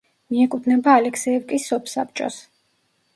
მიეკუთვნება ალექსეევკის სოფსაბჭოს.